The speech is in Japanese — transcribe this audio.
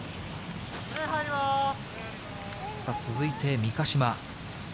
続いて三ヶ島。